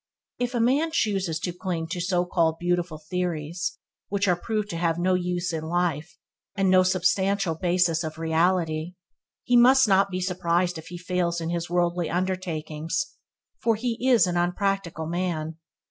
If a man chooses to cling to so called "beautiful" theories which are proved to have no use in life, and no substantial basis of reality, he must not be surprised if he fails in his wordly undertakings, for he is an unpractical man.